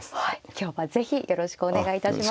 今日は是非よろしくお願いいたします。